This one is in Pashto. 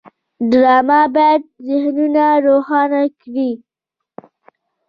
ډرامه باید ذهنونه روښانه کړي